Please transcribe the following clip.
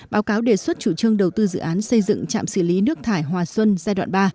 báo cáo đề xuất chủ trương đầu tư dự án xây dựng trạm xử lý nước thải hòa xuân giai đoạn ba